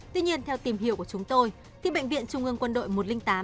tuy nhiên theo tìm hiểu của chúng tôi bệnh viện trung ương quân đội một trăm linh tám